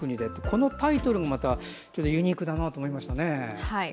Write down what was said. このタイトルもまたユニークだなと思いましたね。